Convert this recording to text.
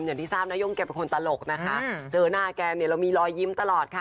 อย่างที่ทราบนาย่งแกเป็นคนตลกนะคะเจอหน้าแกเนี่ยเรามีรอยยิ้มตลอดค่ะ